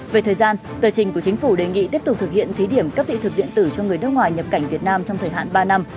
về thời gian tờ trình của chính phủ đề nghị tiếp tục thực hiện thí điểm cấp vị thực điện tử cho người nước ngoài nhập cảnh việt nam trong thời hạn ba năm